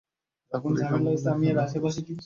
তারপর ইকরামা বললেন, হে আল্লাহর রাসূল!